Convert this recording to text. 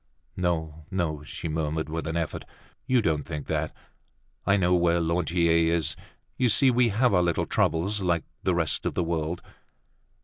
"No, no," she murmured with an effort. "You don't think that. I know where Lantier is. You see, we have our little troubles like the rest of the world!"